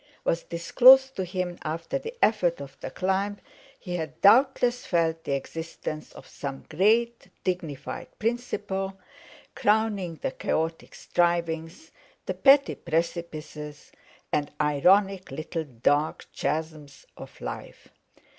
—was disclosed to him after the effort of the climb, he had doubtless felt the existence of some great, dignified principle crowning the chaotic strivings, the petty precipices, and ironic little dark chasms of life.